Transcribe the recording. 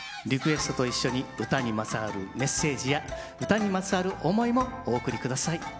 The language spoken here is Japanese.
リクエストと一緒に唄にまつわるメッセージや唄にまつわる思いもお送り下さい。